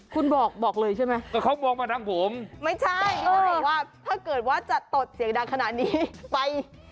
คุณบอกบอกเลยใช่ไหมไม่ใช่ถ้าเกิดว่าจะตดเสียงดังขนาดนี้ไป